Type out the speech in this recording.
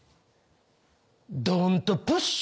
ドントプッシュ。